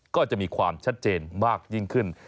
ก็จะมีความชัดเจนมากยิ่งขึ้น